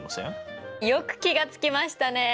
よく気が付きましたね！